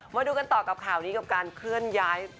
มาดูกันต่อกับข่าวนี้กับการเคลื่อนย้าย